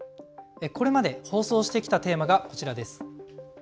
これまで放送してきたテーマがこちらです。